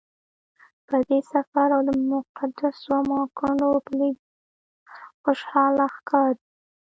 په دې سفر او د مقدسو اماکنو په لیدلو خوشحاله ښکاري.